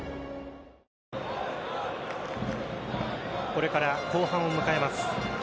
これから後半を迎えます。